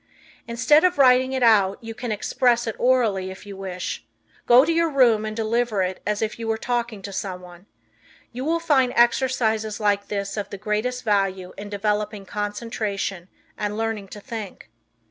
Instead of writing it out you can express it orally if you wish. Go to your room and deliver it as if you were talking to some one. You will find exercises like this of the greatest value in developing concentration and learning to think.